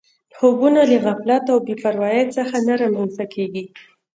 خوبونه له غفلت او بې پروایۍ څخه نه رامنځته کېږي